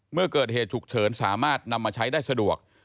เมื่อเกิดเหตุฉุกเฉินสามารถนำมาใช้ได้สะดวก